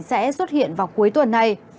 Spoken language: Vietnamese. sẽ xuất hiện vào cuối tuần này